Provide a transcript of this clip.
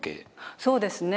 そうですね。